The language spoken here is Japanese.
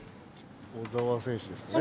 小澤選手ですかね。